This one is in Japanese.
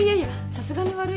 さすがに悪いよ。